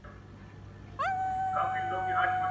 پي پي پي ناروغي کولی شي د مور او ماشوم اړیکه اغېزمنه کړي.